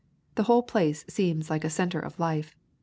The whole place seems like a center of life.